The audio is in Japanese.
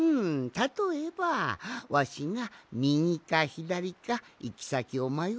たとえばわしがみぎかひだりかいきさきをまよったとする。